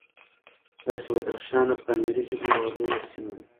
دا چې بدخشان د پامیري ژبو یوه لویه سیمه ده،